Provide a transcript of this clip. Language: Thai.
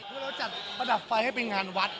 คือเราจัดประดับไฟให้เป็นงานวัด